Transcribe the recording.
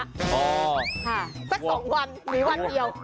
สักสองวันหรือวันเดียว